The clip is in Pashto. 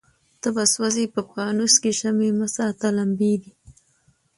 ته به سوځې په پانوس کي شمعي مه ساته لمبې دي